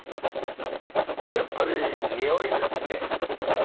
やっぱり匂いですね。